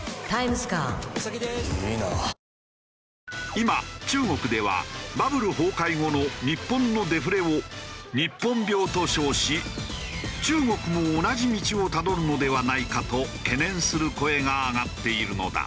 今中国ではバブル崩壊後の日本のデフレを「日本病」と称し中国も同じ道をたどるのではないかと懸念する声が上がっているのだ。